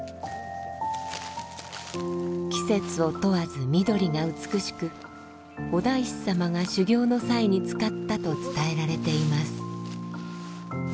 季節を問わず緑が美しくお大師様が修行の際に使ったと伝えられています。